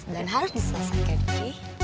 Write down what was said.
dan harus bisa kaki